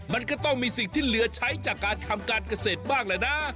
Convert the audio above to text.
มันก็ต้องมีสิ่งที่เหลือใช้จากการทำการเกษตรบ้างแหละนะ